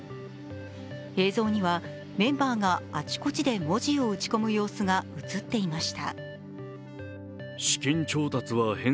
映像には、メンバーが、あちこちで文字を打ち込む様子が映っていました。